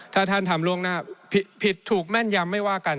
ถ้าท่านทำล่วงหน้าผิดถูกแม่นยำไม่ว่ากัน